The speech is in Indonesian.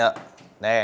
ya udah yuk deh